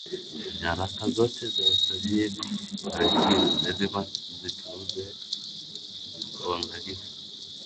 nyaraka zote za usajiri wa redio lazima zitunzwe kwa uangalifu